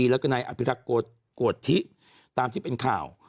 แล้วก็นายอภิรักษ์โกธิตามที่เป็นข่าว